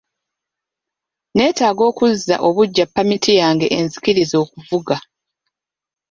Neetaaga okuzza obuggya pamiti yange enzikiriza okuvuga.